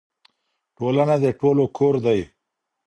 ټولنه د ټولو کور دی.